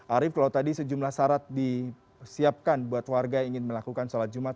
arief kalau tadi sejumlah syarat disiapkan buat warga yang ingin melakukan sholat jumat